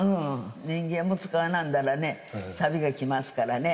人間も使わなんだらね、さびがきますからね。